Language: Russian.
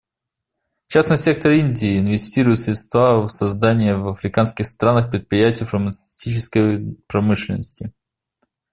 Частный сектор Индии инвестирует средства в создание в африканских странах предприятий фармацевтической промышленности.